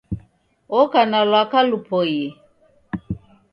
Woka na lwaka lupoie